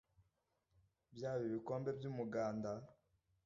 byaba ibikombe by’umuganda